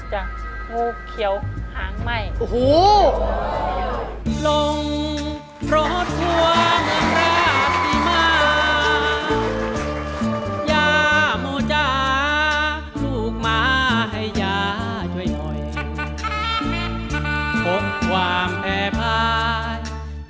จ้ะงูเขียวหางไหม้